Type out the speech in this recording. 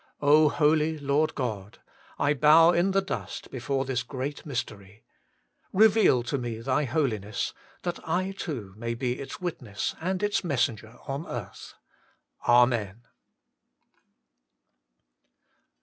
Holy Lord God ! I bow in the dust before this great mystery. Eeveal to me Thy Holiness, that I too may be its witness and its messenger on earth. Amen.